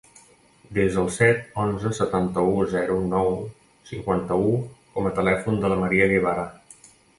Desa el set, onze, setanta-u, zero, nou, cinquanta-u com a telèfon de la Maria Guevara.